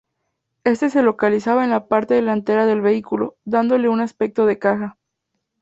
Este se localizaba en la parte delantera del vehículo, dándole un aspecto de caja.